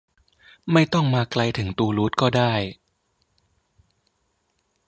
ไม่ต้องมาไกลถึงตูลูสก็ได้